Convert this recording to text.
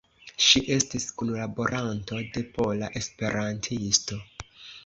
Ŝi estis kunlaboranto de Pola Esperantisto.